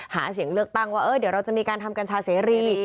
หาเสียงเลือกตั้งว่าเดี๋ยวเราจะมีการทำกัญชาเสรี